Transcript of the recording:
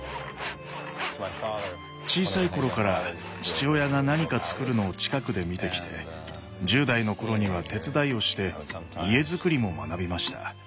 小さい頃から父親が何かつくるのを近くで見てきて１０代の頃には手伝いをして家づくりも学びました。